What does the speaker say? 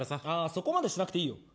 そこまでしなくていいよ。